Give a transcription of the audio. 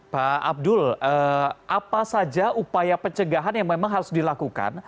pak abdul apa saja upaya pencegahan yang memang harus dilakukan